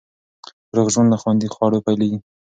روغ ژوند له خوندي خوړو پیلېږي.